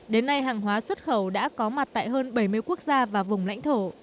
đến nay hàng hóa xuất khẩu đã có mặt tại hơn bảy mươi quốc gia và vùng lãnh thổ